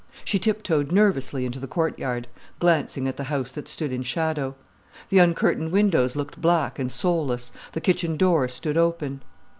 She tiptoed nervously into the courtyard, glancing at the house that stood in shadow. The uncurtained windows looked black and soulless, the kitchen door stood open.